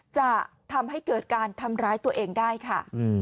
จะทำให้เกิดการทำร้ายตัวเองได้ค่ะ